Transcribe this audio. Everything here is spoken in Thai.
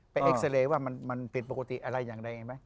ไปเอ็กซ์เรย์ว่ามันเปลี่ยนปกติอะไรอย่างไรไงไหม